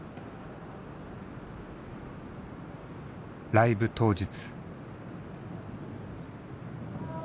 ライブ当日。